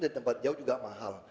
di tempat jauh juga mahal